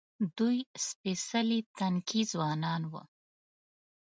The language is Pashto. دوی سپېڅلي تنکي ځوانان وو.